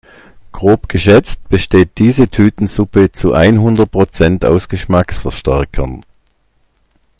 Grob geschätzt besteht diese Tütensuppe zu einhundert Prozent aus Geschmacksverstärkern.